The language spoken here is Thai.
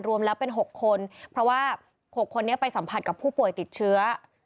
รวมแล้วเป็น๖คนเพราะว่า๖คนนี้ไปสัมผัสกับผู้ป่วยติดเชื้อ